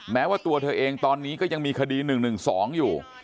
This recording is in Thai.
แม้ว่าตัวเธอเองตอนนี้ก็ยังมีคดี๑๑๒อยู่